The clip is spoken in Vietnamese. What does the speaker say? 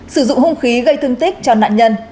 sử dụng hung khí gây thương tích cho nạn nhân